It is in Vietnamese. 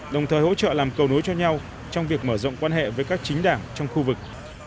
đồng thời hỗ trợ làm cầu nối cho nhau trong việc mở rộng quan hệ với các chính đảng trong khu vực